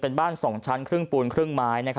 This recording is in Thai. เป็นบ้านสองชั้นเครื่องปูนเครื่องไม้